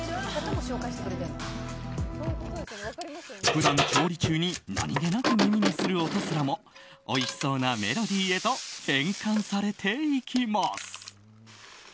普段、調理中に何気なく耳にする音すらもおいしそうなメロディーへと変換されていきます。